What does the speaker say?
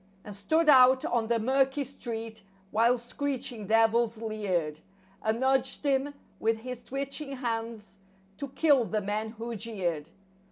And stood out on the murky street while screeching devils leered, And urged him with his twitching hands to kill the men who jeered.